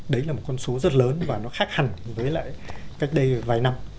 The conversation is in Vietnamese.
đấy là một con số rất lớn và nó khác hẳn với lại cách đây vài năm